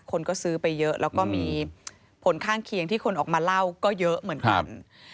คนก็ซื้อไปเยอะแล้วก็มีผลข้างเคียงที่คนออกมาเล่าก็เยอะเหมือนกัน